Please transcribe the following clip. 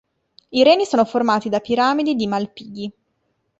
I reni sono formati da piramidi di Malpighi.